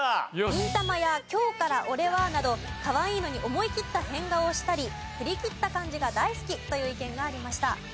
『銀魂』や『今日から俺は！！』などかわいいのに思い切った変顔をしたり振り切った感じが大好きという意見がありました。